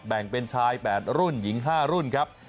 แบ่งเป็นชาย๘รุ่นหญิง๕รุ่นครับ